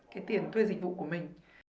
cái tiền thuê dịch vụ của mình